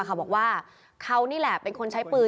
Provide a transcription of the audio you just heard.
เขาบอกว่าเขานี่แหละเป็นคนใช้ปืน